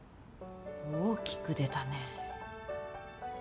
大きくでたね。